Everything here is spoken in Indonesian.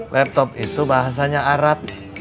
laptop itu bahasanya arab